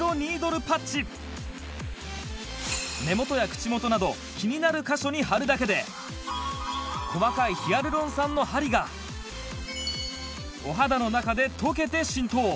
目元や口元など気になる箇所に貼るだけで細かいヒアルロン酸の針がお肌の中で溶けて浸透